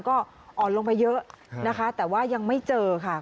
ก็อ่อนลงไปเยอะนะคะแต่ว่ายังไม่เจอค่ะ